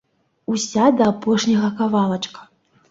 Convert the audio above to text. Уся да апошняга кавалачка.